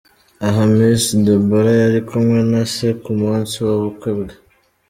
Aha Miss Deborah yari kumwe na se ku munsi w’ubukwe bwe.